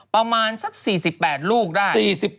ประมาณสัก๔๘ลูกได้